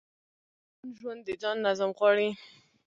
د پوهنتون ژوند د ځان نظم غواړي.